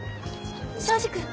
庄司君！